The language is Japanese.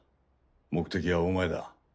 目的はお前だ。